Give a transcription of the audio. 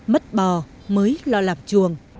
mất bò mới lo làm chuồng